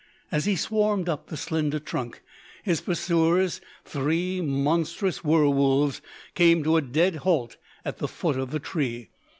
As he swarmed up the slender trunk, his pursuers three monstrous werwolves came to a dead halt at the foot of the tree.